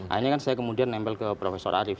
akhirnya saya kemudian nempel ke prof arief